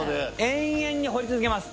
永遠に掘り続けます